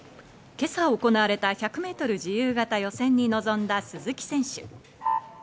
今朝行われた１００ｍ自由形予選に臨んだ鈴木選手。